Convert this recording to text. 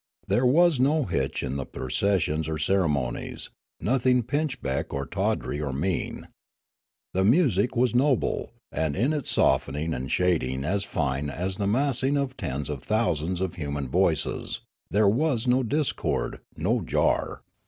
There was no hitch in the processions or ceremonies, nothing pinchbeck or tawdry or mean. The music was noble, and in its softening and shading as fine as the massing of tens of thousands of human voices, there was no discord, no jar.